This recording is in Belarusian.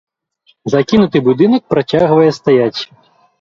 Закінуты будынак працягвае стаяць.